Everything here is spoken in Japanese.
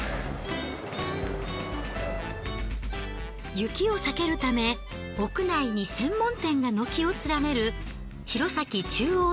雪を避けるため屋内に専門店が軒を連ねる弘前中央食品市場へ。